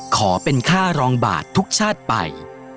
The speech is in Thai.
ขอเป็นค่ารองบาททุกชาติไป